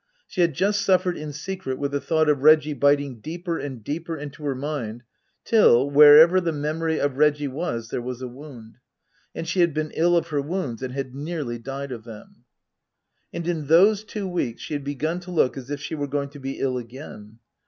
She had just suffered in secret with the thought of Reggie biting deeper and deeper into her mind, till, wherever the memory of Reggie was there was a wound. And she had been ill of her wounds and had nearly died of them. And in those two weeks she had begun to look as if she were going to be ill again.